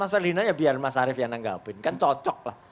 ferdinand aja biar mas arief yang anggapin kan cocok lah